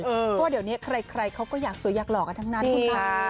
เพราะว่าเดี๋ยวนี้ใครเขาก็อยากสวยอยากหล่อกันทั้งนั้นคุณค่ะ